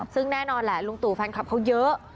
ซึ่งแน่นอนแหละลุงตู่แฟนคลับเขาเยอะ